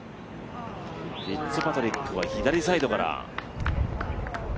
フィッツパトリックは左サイドから。